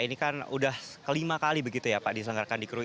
ini kan udah kelima kali begitu ya pak diselenggarkan di krui